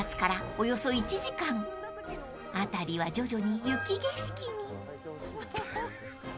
［辺りは徐々に雪景色に］